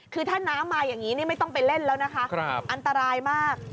คือถ้าน้ำมาอย่างนี้ไม่ต้องไปเล่นแล้วนะคะอันตรายมาก